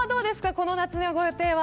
この夏のご予定は。